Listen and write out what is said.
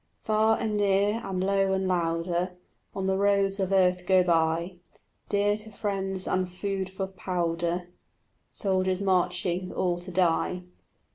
Far and near and low and louder On the roads of earth go by, Dear to friends and food for powder, Soldiers marching, all to die.